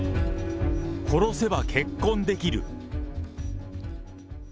殺せば結婚できる。